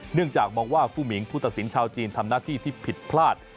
เนื่องจากมองว่าผู้มิงผู้ตัดสินชาวจีนทำหน้าที่ที่ผิดพลาด